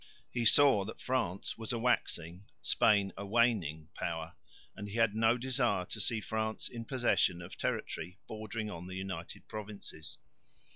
He saw that France was a waxing, Spain a waning power, and he had no desire to see France in possession of territory bordering on the United Provinces.